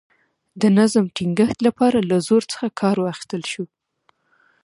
د نظم ټینګښت لپاره له زور څخه کار واخیستل شو.